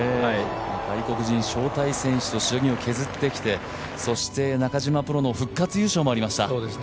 外国人招待選手としのぎを削ってきて、そして中嶋プロの復活優勝もありました。